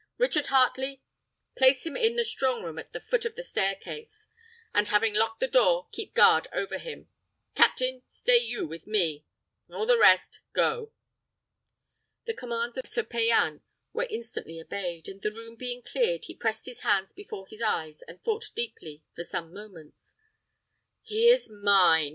Richard Heartley, place him in the strong room at the foot of the stair case, and having locked the door, keep guard over him. Captain, stay you with me; all the rest, go." The commands of Sir Payan were instantly obeyed; and the room being cleared, he pressed his hands before his eyes, and thought deeply for some moments. "He is mine!"